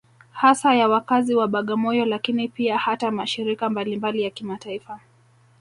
Hasa ya wakazi wa Bagamoyo Lakini pia hata mashirika mbalimbali ya kimataifa